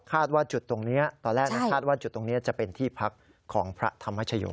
ว่าจุดตรงนี้ตอนแรกคาดว่าจุดตรงนี้จะเป็นที่พักของพระธรรมชโย